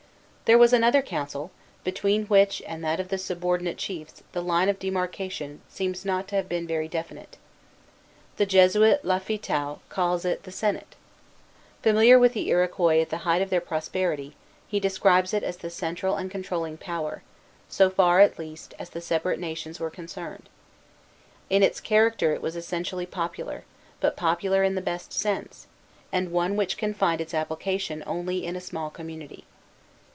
There was another council, between which and that of the subordinate chiefs the line of demarcation seems not to have been very definite. The Jesuit Lafitau calls it "the senate." Familiar with the Iroquois at the height of their prosperity, he describes it as the central and controlling power, so far, at least, as the separate nations were concerned. In its character it was essentially popular, but popular in the best sense, and one which can find its application only in a small community.